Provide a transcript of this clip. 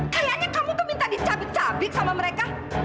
kayaknya kamu tuh minta dicabik cabik sama mereka